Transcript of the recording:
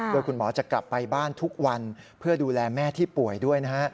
โดยคุณหมอจะกลับไปบ้านทุกวันเพื่อดูแลแม่ที่ป่วยด้วยนะฮะ